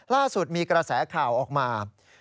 ล่าสุดมีกระแสข่าวออกมา